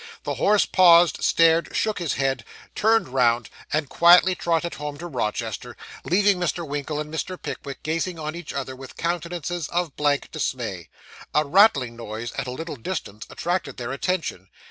The horse paused, stared, shook his head, turned round, and quietly trotted home to Rochester, leaving Mr. Winkle and Mr. Pickwick gazing on each other with countenances of blank dismay. A rattling noise at a little distance attracted their attention.